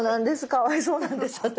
かわいそうなんです私。